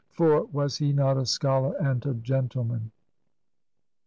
For was he not a scholar and a gentleman